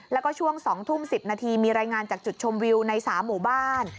แล้วก็ช่วง๒ทุ่ม๑๐นาทีมีรายงานจากจุดชมวิวใน๓หมู่บ้าน